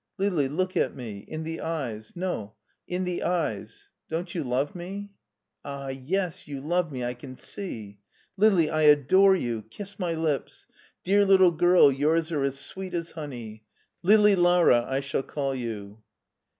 Lili ! look at me. In the eyes — ^no, in the eyes. Don't you love me ? Ah, yes, you love me, I can see. Lili, I adore you ! Kiss my lips f Dear little girl, yours are as sweet as honey. ' Lili Lara ' I shall call you.